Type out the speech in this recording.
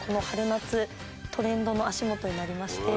夏トレンドの足元になりまして。